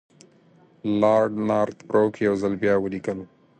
لارډ نارت بروک یو ځل بیا ولیکل.